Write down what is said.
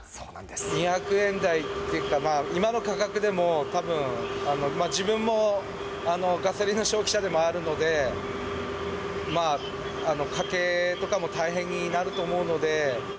２００円台というか、今の価格でもたぶん、自分もガソリンの消費者でもあるので、家計とかも大変になると思うので。